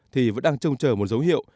thì vẫn đang trông chờ một dấu hiệu